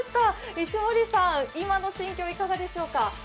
石森さん、今の心境はいかがでしょうか？